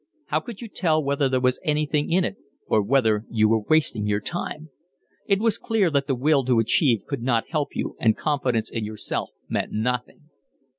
How could you tell whether there was anything in it or whether you were wasting your time? It was clear that the will to achieve could not help you and confidence in yourself meant nothing.